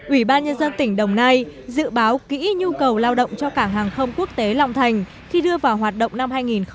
ủy ban nhân dân tỉnh đồng nai dự báo kỹ nhu cầu lao động cho cảng hàng không quốc tế long thành khi đưa vào hoạt động năm hai nghìn hai mươi